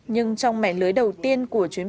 nhưng trong mẻ lưới đầu tiên